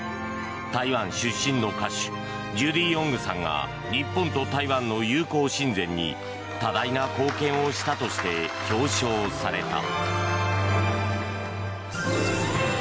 台湾出身の歌手ジュディ・オングさんが日本と台湾の友好親善に多大な貢献をしたとして表彰された。